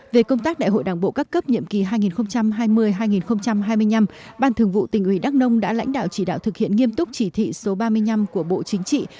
về công tác đại hội đảng bộ các cấp nhiệm kỳ hai nghìn hai mươi hai nghìn hai mươi năm ban thường vụ tỉnh ủy đắk nông đã lãnh đạo chỉ đạo thực hiện nghiêm túc chỉ thị số ba mươi năm của bộ chính trị